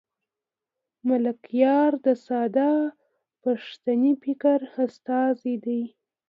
ملکیار د ساده پښتني فکر استازی دی.